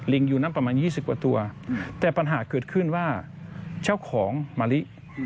อยู่นั้นประมาณ๒๐กว่าตัวแต่ปัญหาเกิดขึ้นว่าเจ้าของมะลิ